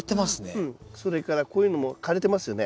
それからこういうのも枯れてますよね？